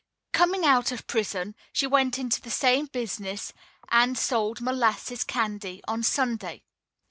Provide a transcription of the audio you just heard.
Coming out of prison, she went into the same business and sold molasses candy on Sunday.